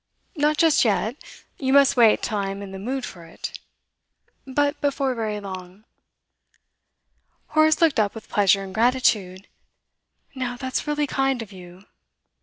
Not just yet. You must wait till I am in the mood for it. But before very long.' Horace looked up with pleasure and gratitude. 'Now, that's really kind of you!